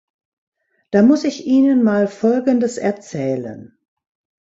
Da muss ich Ihnen mal Folgendes erzählen.